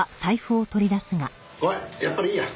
ごめんやっぱりいいや。